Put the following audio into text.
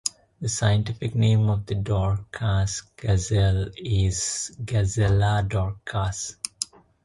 The scientific name of the dorcas gazelle is "Gazella dorcas".